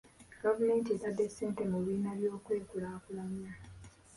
Gavumenti etadde ssente mu bibiina by'okwekulaakulanya.